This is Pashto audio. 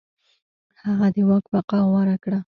هغه د واک بقا غوره کړه.